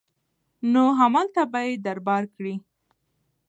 نو هملته به يې دربار کې